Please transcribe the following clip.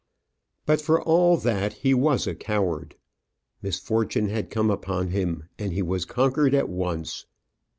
But, for all that, he was a coward. Misfortune had come upon him, and he was conquered at once.